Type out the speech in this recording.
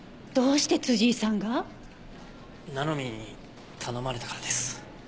どうして井さんが？ななみーに頼まれたからです。